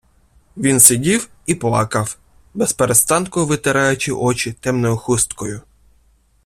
Він сидів і плакав, безперестанку витираючи очі темною хусткою.